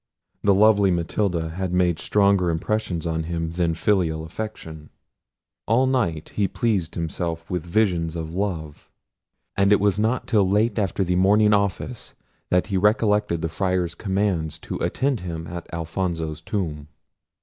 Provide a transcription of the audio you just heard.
The lovely Matilda had made stronger impressions on him than filial affection. All night he pleased himself with visions of love; and it was not till late after the morning office, that he recollected the Friar's commands to attend him at Alfonso's tomb.